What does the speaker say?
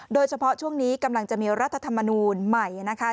โดยเฉพาะช่วงนี้กำลังจะมีรัฐธรรมนูลใหม่นะคะ